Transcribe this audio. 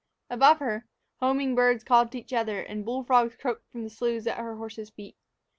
Above her, homing birds called to each other, and bullfrogs croaked from the sloughs at her horse's feet.